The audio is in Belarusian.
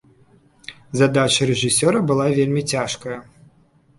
Задача рэжысёра была вельмі цяжкая.